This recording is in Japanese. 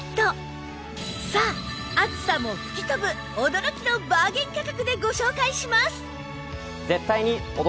さあ暑さも吹き飛ぶ驚きのバーゲン価格でご紹介します！